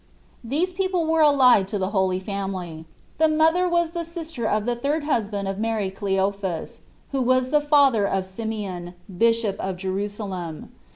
These people were allied to the Holy Family ; the mother was the sister of the third husband of Mary Cleophas, who was the father of Simeon, Bishop of Jerusalem.